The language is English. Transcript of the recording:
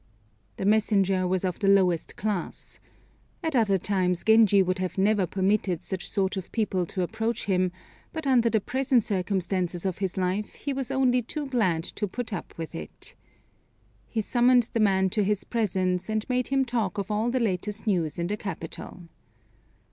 The messenger was of the lowest class. At other times Genji would never have permitted such sort of people to approach him, but under the present circumstances of his life he was only too glad to put up with it. He summoned the man to his presence, and made him talk of all the latest news in the capital.